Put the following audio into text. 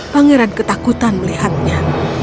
pangeran ketakutan melihatnya